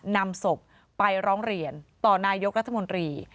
นำศพไปร้องเรียนต่อนายกรัฐมนตรี